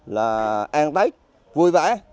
là an tết vui vẻ